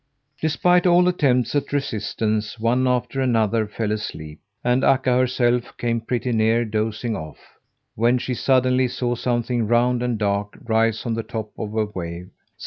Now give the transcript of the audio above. Despite all attempts at resistance one after another fell asleep; and Akka herself came pretty near dozing off, when she suddenly saw something round and dark rise on the top of a wave.